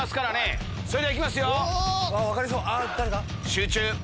集中！